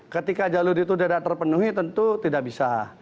ketika jalur itu tidak terpenuhi tentu tidak bisa